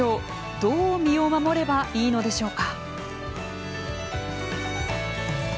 どう身を守ればいいのでしょうか。